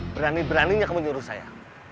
berani beraninya kamu nyuruh saya